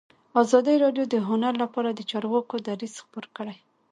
ازادي راډیو د هنر لپاره د چارواکو دریځ خپور کړی.